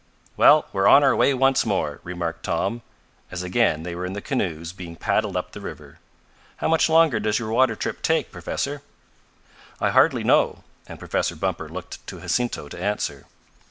"Well, we're on our way once more," remarked Tom as again they were in the canoes being paddled up the river. "How much longer does your water trip take, Professor?" "I hardly know," and Professor Bumper looked to Jacinto to answer.